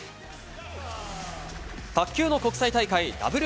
卓球の国際大会、ＷＴＴ。